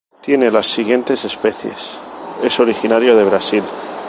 Tiene las siguientes especies: Es originario de Brasil.